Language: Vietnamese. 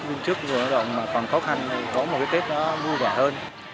công chức vừa động mà còn khó khăn thì có một cái tết nó vui vẻ hơn